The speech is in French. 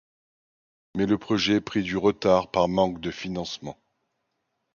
Mais le projet prit du retard par manque de financement.